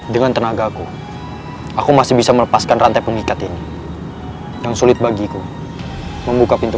dengan tenagaku aku masih bisa melepaskan rantai pengikat ini yang sulit bagiku membuka pintu